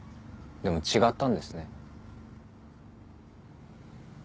でも違ったんですね。